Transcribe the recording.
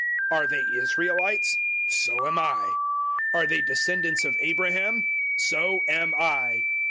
Are they Israelites? So am I. Are they descendants of Abraham? So am I.